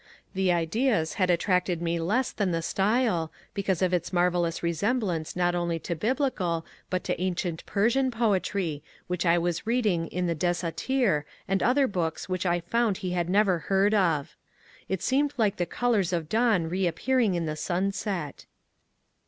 The ideas had attracted me less than the style, because of its marvellous re semblance not only to biblical but to ancient Persian poetry which I was reading in the ^' Desatir " and other books which I found he had never heard of. It seemed like the colours of dawn reappearing in the sunset.